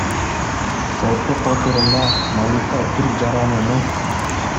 Соттук отурумда Малика түрк жараны М.